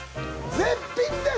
絶品です！